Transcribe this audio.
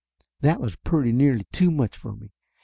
That was pretty nearly too much for me.